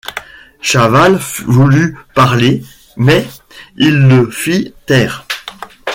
Chaval voulut parler, mais il le fit taire.